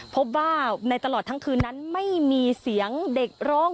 พบว่าในตลอดทั้งคืนนั้นไม่มีเสียงเด็กร้อง